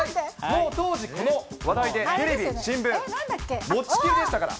もう当時、この話題でテレビ、新聞、もちきりでしたから。